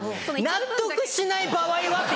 納得しない場合はって。